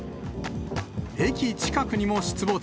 駅近くにも出没。